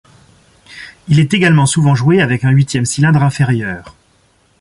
Il est également souvent joué avec un huitième cylindre inférieur.